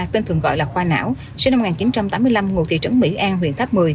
tên thường gọi là khoa não sinh năm một nghìn chín trăm tám mươi năm ngụ thị trấn mỹ an huyện tháp một mươi